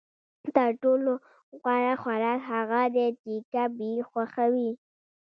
تر ټولو غوره خوراک هغه دی چې کب یې خوښوي